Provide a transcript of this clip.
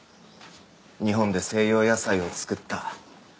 日本で西洋野菜を作った。